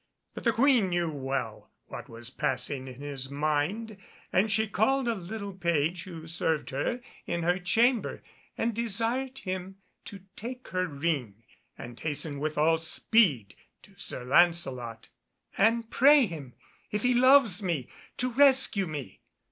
But the Queen knew well what was passing in his mind, and she called a little page who served her in her chamber and desired him to take her ring and hasten with all speed to Sir Lancelot, "and pray him, if he loves me, to rescue me.